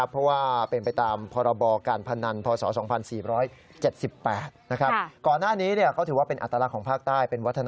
เพราะว่าเป็นไปตามพรบการพนันพศ๒๔๗๘นะครับ